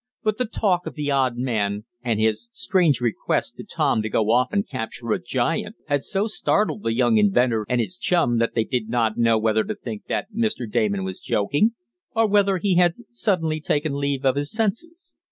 But the talk of the odd man, and his strange request to Tom to go off and capture a giant had so startled the young inventor and his chum that they did not know whether to think that Mr. Damon was joking, or whether he had suddenly taken leave of his senses.